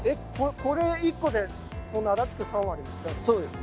これ１個でそんな足立区３割もいっちゃうんですか？